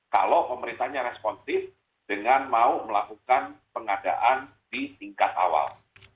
kalau pemerintahnya responsif dengan mau melakukan pengadaan di tingkat awal